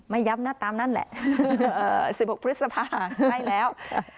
ย้ำนะตามนั่นแหละ๑๖พฤษภาให้แล้ว